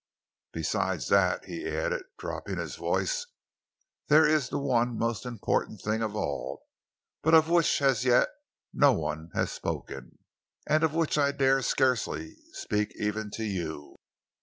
Besides that," he added, dropping his voice, "there is the one most important thing of all, but of which as yet no one has spoken, and of which I dare scarcely speak even to you."